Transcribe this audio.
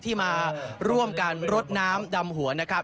ที่มาร่วมกันรดน้ำดำหัวนะครับ